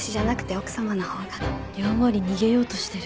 やんわり逃げようとしてる。